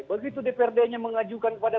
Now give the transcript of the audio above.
begitu dprd nya mengajukan kepada